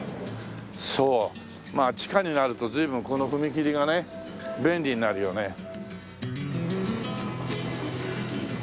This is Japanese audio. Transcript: そうまあ地下になると随分この踏み切りがね便利になるよね。